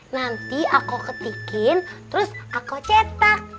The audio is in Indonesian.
nanti aku ketikin terus aku cetak